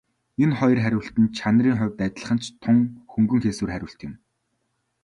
Энэ хоёр хариулт нь чанарын хувьд адилхан ч тун хөнгөн хийсвэр хариулт юм.